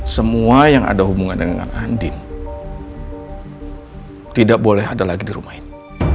semua yang ada hubungan dengan andin tidak boleh ada lagi di rumah ini